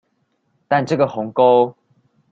但這個鴻溝